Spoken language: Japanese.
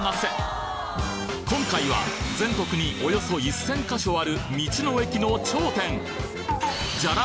今回は全国におよそ１０００箇所ある道の駅の頂点！